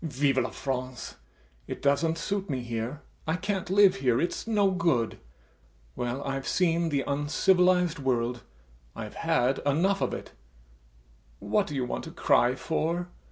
Vive la France! It doesn't suit me here, I can't live here... it's no good. Well, I've seen the uncivilized world; I have had enough of it. [Drinks champagne] What do you want to cry for?